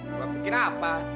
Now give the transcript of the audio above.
gua bikin apa